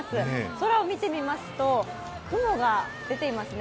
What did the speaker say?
空を見てみますと、雲が出ていますね。